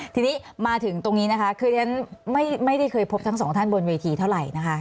ทีนี้มาถึงตรงนี้นะคะคือฉันไม่ได้เคยพบทั้งสองท่านบนเวทีเท่าไหร่นะคะ